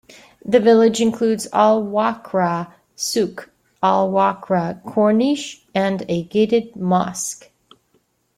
The village includes Al Wakrah Souq, Al Wakrah Corniche and a gated mosque.